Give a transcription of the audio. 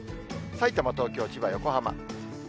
さいたま、東京、千葉、横浜。